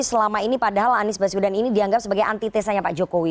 tapi selama ini padahal anies baswedan ini dianggap sebagai anti tesanya pak jokowi